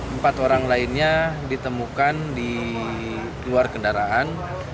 empat orang lainnya ditemukan di luar kendaraan